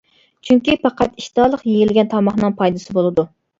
چۈنكى پەقەت ئىشتىھالىق يېيىلگەن تاماقنىڭ پايدىسى بولىدۇ.